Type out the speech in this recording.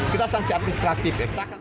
kita sanksi administratif